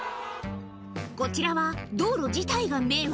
こちらは道路自体が迷惑。